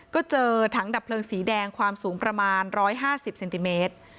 ก็เจอถังดับเพลิงสีแดงความสูงประมาณ๑๕๐เซนติเมตร